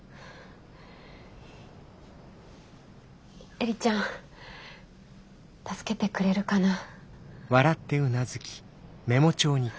映里ちゃん助けてくれるかなあ。